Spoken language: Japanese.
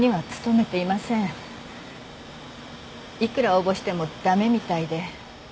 いくら応募しても駄目みたいで。